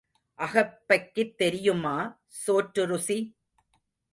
அகப்பைக்குத் தெரியுமா சோற்று ருசி?